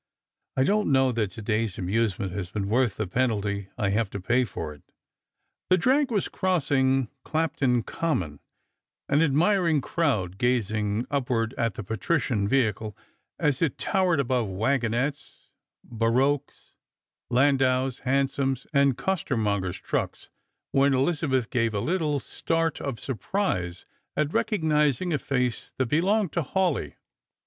"I don't know that to day's amusement has been worth the penalty I have to pay for it," The drag was crost>ing Clapham common, an admiring crowd gaaing upward at the patrician vehicle as it towered above wagonettes, barouches, landaus, hansoms, and costermongers' trucks, wh'in Rlizabeth gave a little start of surprise at recog Strangers and Pilgrims. 179 nising a face that belonged to Hawleigh.